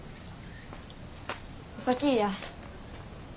お先ぃや。